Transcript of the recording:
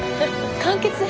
「完結編？」。